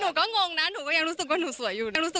หนูก็งงนะหนูก็ยังรู้สึกว่าหนูสวยอยู่นะ